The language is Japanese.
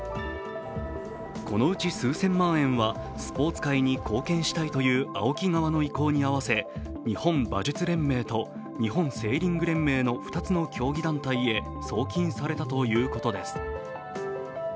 このうち数千万円はスポーツ界に貢献したいというＡＯＫＩ側の意向に合わせ日本馬術連盟と日本セーリング連盟の２つの競技団体へ送金されたということです。